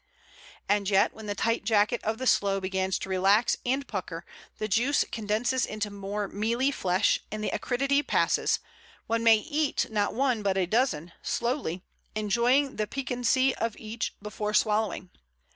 And yet, when the tight jacket of the Sloe begins to relax and pucker, the juice condenses into more mealy flesh, and the acridity passes, one may eat not one but a dozen, slowly, enjoying the piquancy of each before swallowing.